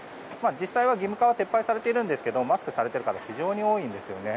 実際は義務化は撤廃されているんですがマスクをされている方は非常に多いんですよね。